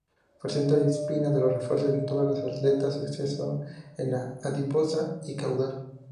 Presenta espina de refuerzo en todas las aletas; excepto en la adiposa y caudal.